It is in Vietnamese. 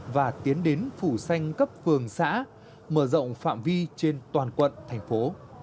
và tiến đến phủ xanh cấp phường xã mở rộng phạm vi trên toàn quận thành phố